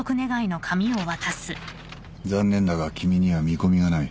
残念だが君には見込みがない。